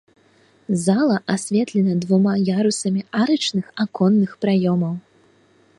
Зала асветлена двума ярусамі арачных аконных праёмаў.